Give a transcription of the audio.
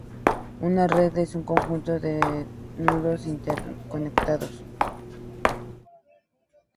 Una red es un conjunto de nodos interconectados.